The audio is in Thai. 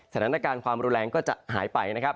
ศาลนักการความแบรนด์แรงก็จะหายไป